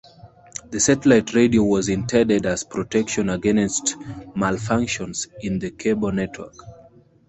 The satellite radio was intended as protection against malfunctions in the cable network.